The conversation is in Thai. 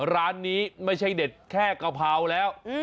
ร้านนี้ไม่ใช่เด็ดแค่กะเพราแล้ว